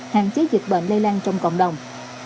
hạn chế dịch bệnh lây lan trong cộng đồng